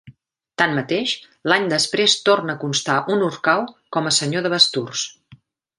Tanmateix, l'any després torna a constar un Orcau com a senyor de Basturs: